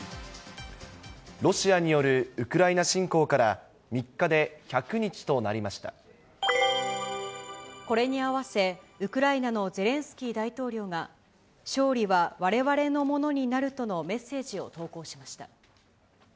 ロシアによるウクライナ侵攻から、これに合わせ、ウクライナのゼレンスキー大統領が、勝利はわれわれのものになるとのメッセージを投稿しました。